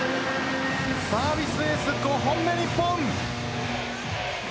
サービスエース５本目、日本。